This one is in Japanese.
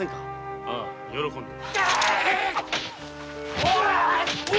あぁ喜んで。